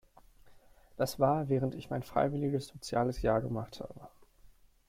Das war während ich mein freiwilliges soziales Jahr gemacht habe.